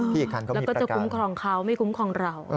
ที่อีกคันเขามีประกันแล้วก็จะคุ้มของเขาไม่คุ้มของเรา